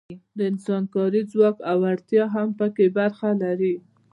د انسان کاري ځواک او وړتیا هم پکې برخه لري.